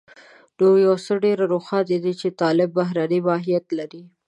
خو يو څه ډېر روښانه دي چې طالب بهرنی ماهيت لري.